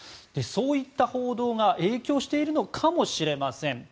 そういった報道が影響しているのかもしれません。